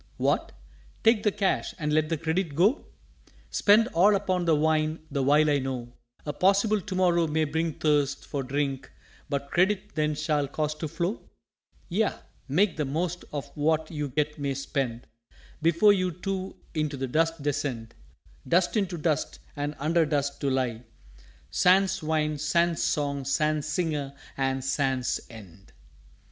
_" "What! take the Cash and let the Credit go? Spend all upon the Wine the while I know A possible To morrow may bring thirst For Drink but Credit then shall cause to flow?" "_Yea, make the most of what you yet may spend, Before we too into the Dust descend; Dust into Dust, and under Dust, to lie, Sans Wine, sans Song, sans Singer, and sans End!